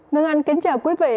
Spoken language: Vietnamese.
ngân anh kính chào quý vị